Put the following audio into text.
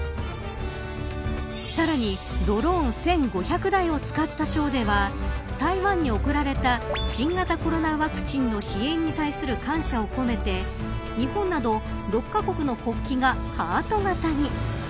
さらにドローン１５００台を使ったショーでは台湾に送られた新型コロナワクチンの支援に対する感謝を込めて日本など６カ国の国旗がハート形に。